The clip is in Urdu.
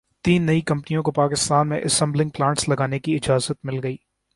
تین نئی کمپنیوں کو پاکستان میں اسمبلنگ پلانٹس لگانے کی اجازت مل گئی